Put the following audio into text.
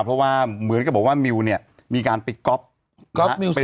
เพราะว่าเหมือนกับบอกว่ามิวเนี่ยมีการไปก๊อฟมิว